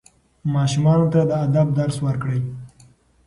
ماشومانو ته د ادب درس ورکړئ.